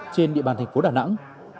trên địa bàn thành phố đà nẵng